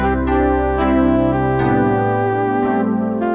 tolong siap siap ya